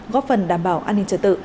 góp phần đảm bảo an ninh trật tự